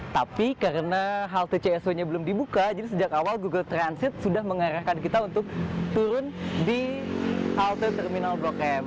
tapi karena halte csw nya belum dibuka jadi sejak awal google transit sudah mengarahkan kita untuk turun di halte terminal blok m